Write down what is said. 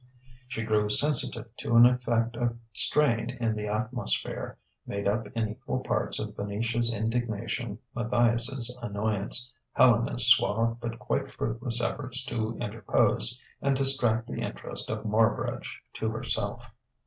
She grew sensitive to an effect of strain in the atmosphere, made up in equal parts of Venetia's indignation, Matthias's annoyance, Helena's suave but quite fruitless efforts to interpose and distract the interest of Marbridge to herself.